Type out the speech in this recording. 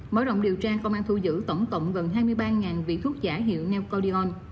mở rộng điều tra công an thu giữ tổng tổng gần hai mươi ba vị thuốc giả hiệu neocordion